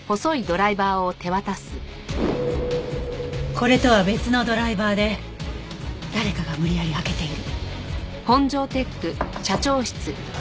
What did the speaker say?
これとは別のドライバーで誰かが無理やり開けている。